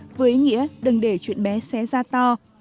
câu chuyện với ý nghĩa đừng để chuyện bé xé da to